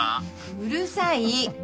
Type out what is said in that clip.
うるさい。